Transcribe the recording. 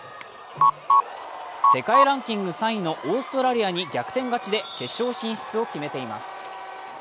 世界ランキング３位のオーストラリアに逆転勝ちで決勝進出を決めています。